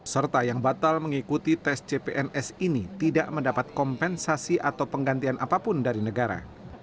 serta yang batal mengikuti tes cpns ini tidak mendapat kompensasi atau penggantian apapun dari negara